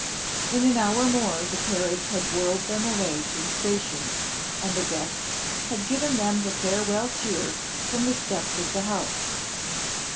In an hour more the carriage had whirled them away to the station, and the guests had given them the farewell cheer from the steps of the house.